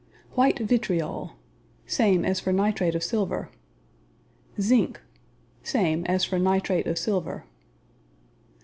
White vitriol Same as for nitrate of silver. Zinc Same as for nitrate of silver.